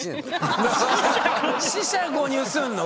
四捨五入すんの？